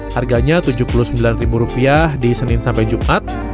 harganya tujuh puluh sembilan rupiah di senin sampai jumat